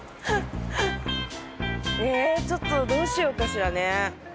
ちょっとどうしようかしらね。